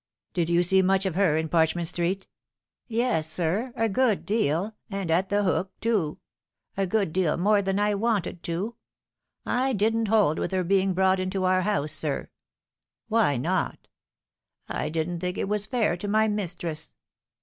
" Did you see much of her in Parchment Street ?"" Yes, sir, a good deal, and at The Hook, too ; a good deal more than I wanted to. /didn't hold with her being brought into our house, sir." " Why not ?"" I didn't think it was fair to my mistress."